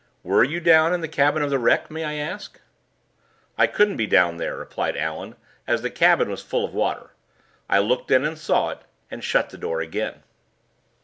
Were you down in the cabin of the wreck, may I ask?" "I couldn't be down there," replied Allan, "as the cabin was full of water. I looked in and saw it, and shut the door again."